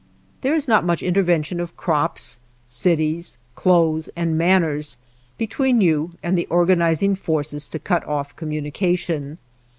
There is not much intervention of crops, cities, clothes, and manners between you and the organizing forces to cut off com munication.